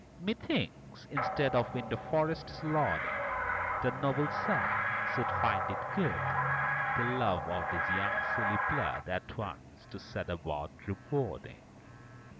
Methinks, instead of in the forests lording, The noble Sir should find it good, The love of this young silly blood At once to set about rewarding.